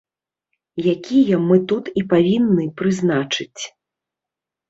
Якія мы тут і павінны прызначыць.